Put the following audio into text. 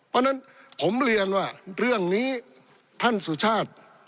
เพราะฉะนั้นผมเรียนว่าเรื่องนี้ท่านสุชาติ